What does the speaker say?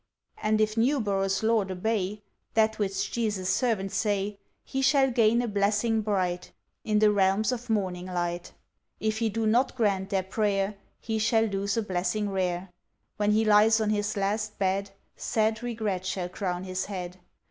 And if Newborough's Lord obey, That which Jesu's servants say, He shall gain a blessing bright, In the realms of Morning Light. If he do not grant their prayer, He shall lose a blessing rare, When he lies on his last bed, Sad regret shall crown his head.